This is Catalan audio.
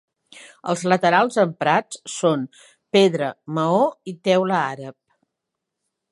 Els laterals emprats són: pedra, maó i teula àrab.